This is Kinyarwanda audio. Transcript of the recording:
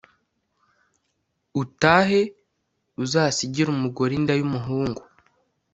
utahe uzasigire umugore inda yumuhungu"